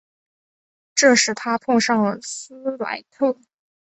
这使他碰遇上了斯莱特。